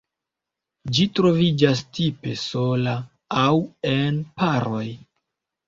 Ĝi troviĝas tipe sola aŭ en paroj.